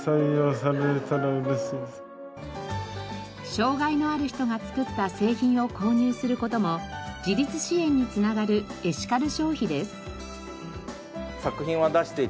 障がいのある人が作った製品を購入する事も自立支援に繋がるエシカル消費です。